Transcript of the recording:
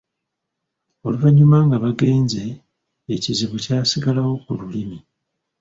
Oluvannyuma nga bagenze ekizibu kyasigalawo ku lulimi.